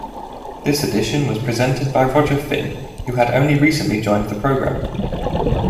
This edition was presented by Roger Finn, who had only recently joined the programme.